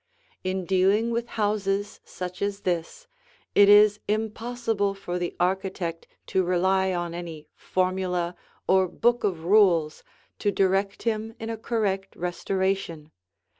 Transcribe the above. In dealing with houses such as this, it is impossible for the architect to rely on any formula or book of rules to direct him in a correct restoration.